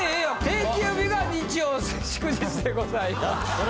定休日が日曜・祝日でございます。